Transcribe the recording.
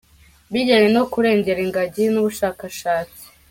bijyanye no kurengera ingagi n’ubushakashatsi.